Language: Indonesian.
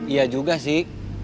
iya juga sih